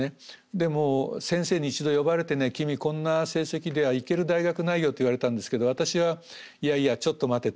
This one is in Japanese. でも先生に一度呼ばれてね君こんな成績では行ける大学ないよと言われたんですけど私はいやいやちょっと待てと。